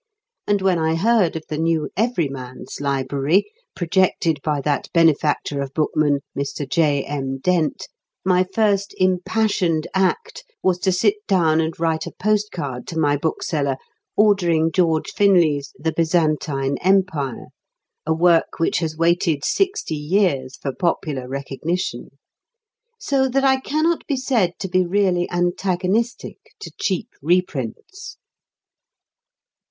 And when I heard of the new "Everyman's Library," projected by that benefactor of bookmen, Mr. J.M. Dent, my first impassioned act was to sit down and write a postcard to my bookseller ordering George Finlay's "The Byzantine Empire," a work which has waited sixty years for popular recognition. So that I cannot be said to be really antagonistic to cheap reprints.